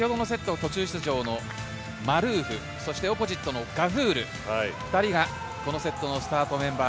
途中出場のマルーフ、オポジットのガフール、２人がこのセットのスタートメンバー。